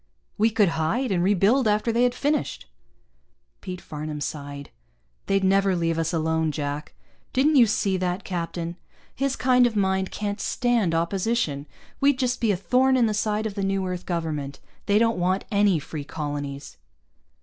"We could hide, and rebuild after they had finished." Pete Farnam sighed. "They'd never leave us alone, Jack. Didn't you see that captain? His kind of mind can't stand opposition. We'd just be a thorn in the side of the new Earth Government. They don't want any free colonies."